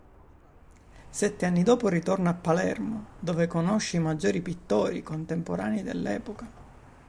Sette anni dopo ritorna a Palermo dove conosce i maggiori pittori contemporanei dell'epoca.